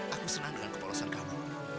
aku senang dengan kepolosan kamu